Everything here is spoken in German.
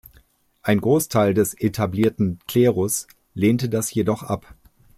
Ein Großteil des etablierten Klerus lehnte das jedoch ab.